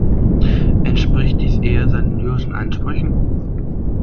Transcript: Entspricht dies eher seinen lyrischen Ansprüchen?